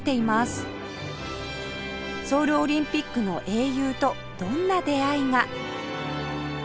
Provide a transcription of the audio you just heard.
ソウルオリンピックの英雄とどんな出会いが？